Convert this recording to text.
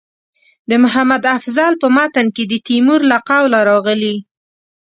د محمد افضل په متن کې د تیمور له قوله راغلي.